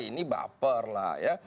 ini baper lah ya